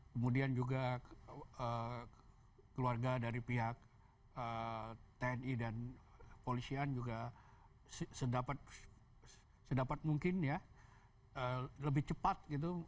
kemudian juga keluarga dari pihak tni dan polisian juga sedapat mungkin ya lebih cepat gitu